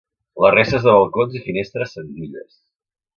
La resta és de balcons i finestres senzilles.